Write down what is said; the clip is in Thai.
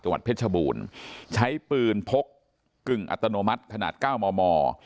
วัดเพชรบูรณ์ใช้ปืนพกกึ่งอัตโนมัติขนาดเก้ามอมอ